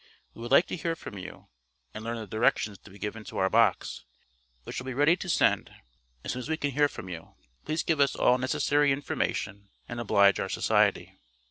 We would like to hear from you, and learn the directions to be given to our box, which will be ready to send as soon as we can hear from you. Please give us all necessary information, and oblige our Society.